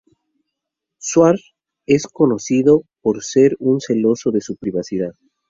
Schwarz es conocido por ser muy celoso de su privacidad.